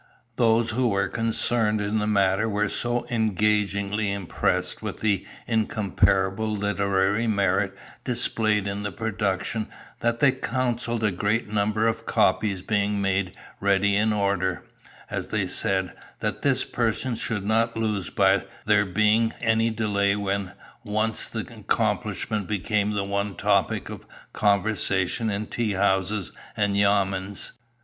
Those who were concerned in the matter were so engagingly impressed with the incomparable literary merit displayed in the production that they counselled a great number of copies being made ready in order, as they said, that this person should not lose by there being any delay when once the accomplishment became the one topic of conversation in tea houses and yamens.